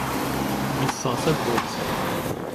Yeffeɣ tawwurt.